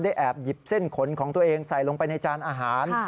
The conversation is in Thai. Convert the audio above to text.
แอบหยิบเส้นขนของตัวเองใส่ลงไปในจานอาหาร